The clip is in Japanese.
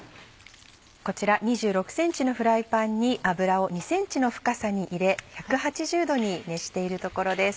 こちら２６ｃｍのフライパンに油を２ｃｍの深さに入れ１８０℃に熱しているところです。